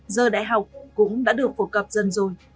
giờ đại học cũng đã được phổ cập dần rồi